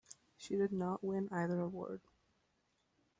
She did not win either award.